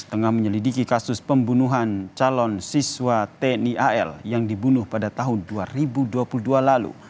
tengah menyelidiki kasus pembunuhan calon siswa tni al yang dibunuh pada tahun dua ribu dua puluh dua lalu